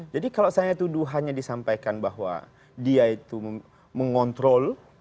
jadi kalau saya tuduh hanya disampaikan bahwa dia itu mengontrol